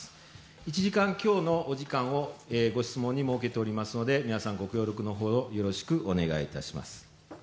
１時間強のお時間をご質問に設けておりますので皆さん、ご協力のほどよろしくお願いいたします。